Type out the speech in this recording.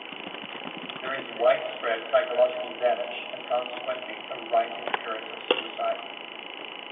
There is widespread psychological damage and consequently a rising occurrence of suicide.